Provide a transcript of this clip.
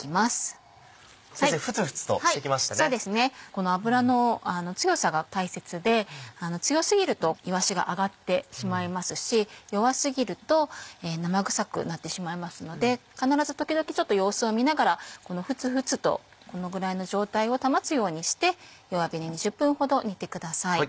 この油の強さが大切で強過ぎるといわしが揚がってしまいますし弱過ぎると生臭くなってしまいますので必ず時々ちょっと様子を見ながら沸々とこのぐらいの状態を保つようにして弱火で２０分ほど煮てください。